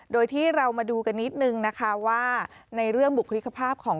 โดยที่เรามาดูกันนิดนึงในเรื่องบุคคิภาพของ